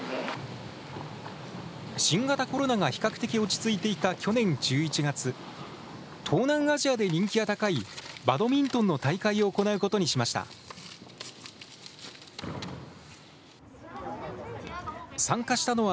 新型コロナが比較的落ち着いていた去年１１月、東南アジアで人気が高いバドミントンの大会を行うことにしました。